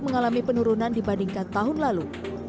mengalami penurunan dibandingkan tahun lalu